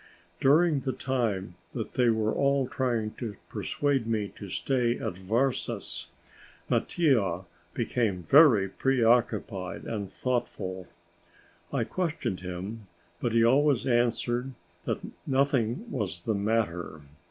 During the time that they were all trying to persuade me to stay at Varses, Mattia became very preoccupied and thoughtful. I questioned him, but he always answered that nothing was the matter.